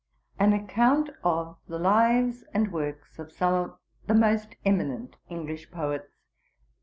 'An account of the Lives and works of some of the most eminent English Poets.